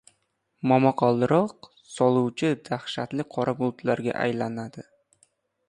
momaqaldiroq soluvchi dahshatli qora bulutlarga aylanadi.